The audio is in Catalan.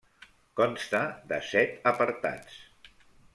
Consta de set apartats.